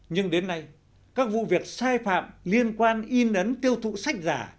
nhưng đến nay các vụ việc sai phạm liên quan in ấn tiêu thụ sách giả